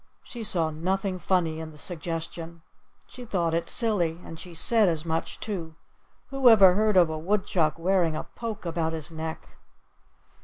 She saw nothing funny in the suggestion. She thought it silly; and she said as much, too: "Who ever heard of a Woodchuck wearing a poke about his neck?"